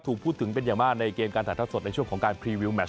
ถูกพูดถึงเป็นอย่างมากในเกมการถ่ายทอดสดในช่วงของการพรีวิวแมช